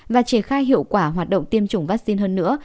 và triển khai hiệu quả hoạt động tiêm chủng vaccine hơn nữa